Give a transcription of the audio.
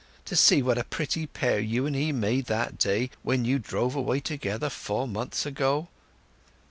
To see what a pretty pair you and he made that day when you drove away together four months ago!